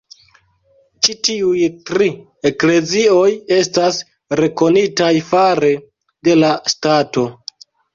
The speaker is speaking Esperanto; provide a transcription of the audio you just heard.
Ĉi tiuj tri eklezioj estas rekonitaj fare de la stato.